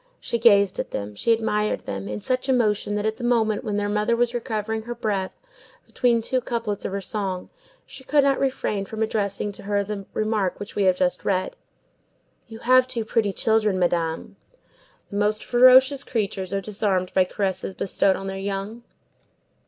She gazed at them, she admired them, in such emotion that at the moment when their mother was recovering her breath between two couplets of her song, she could not refrain from addressing to her the remark which we have just read:— "You have two pretty children, Madame." The most ferocious creatures are disarmed by caresses bestowed on their young.